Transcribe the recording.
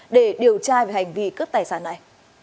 để điều tra về hành vi cướp tài sản này